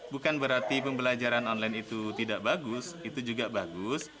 bukan berarti pembelajaran online itu tidak bagus